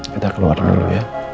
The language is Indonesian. kita keluar dulu ya